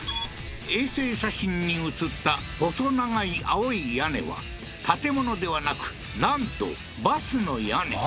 衛星写真に写った細長い青い屋根は建物ではなくなんとバスの屋根